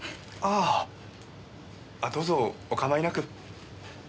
あどうぞお構いなく。